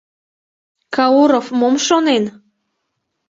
Кауров мом шонен?